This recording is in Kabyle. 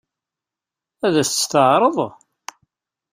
Ad as-tt-teɛṛeḍ?